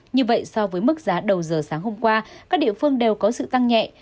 như vậy so với mức giá đầu giờ sáng hôm qua các địa phương đều có sự tăng nhẹ